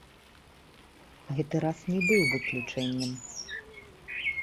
Гэты раз не быў выключэннем.